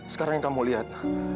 sekarang yang kamu lihat